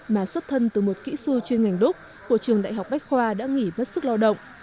mà xuất thân từ một kỹ sư chuyên ngành đúc của trường đại học bách khoa đã nghỉ mất sức lao động